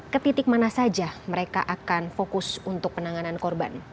ke titik mana saja mereka akan fokus untuk penanganan korban